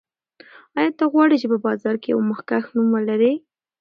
آیا ته غواړې چې په بازار کې یو مخکښ نوم ولرې؟